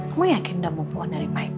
kamu yakin udah mau keluar dari mike